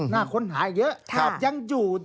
น่าค้นหาเยอะยังอยู่